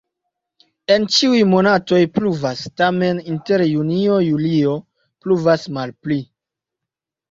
En ĉiuj monatoj pluvas, tamen inter junio-julio pluvas malpli.